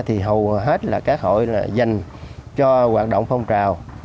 thì hầu hết là các hội là dành cho hoạt động phong trào